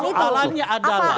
bahwa alatnya adalah